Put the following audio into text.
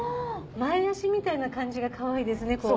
前足みたいな感じがかわいいですね。